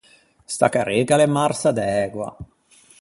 Sta carrega a l’é marsa d’ægua.